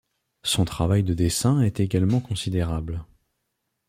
Son travail de dessin est également considérable.